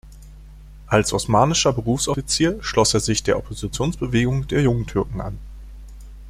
Als osmanischer Berufsoffizier schloss er sich der Oppositionsbewegung der Jungtürken an.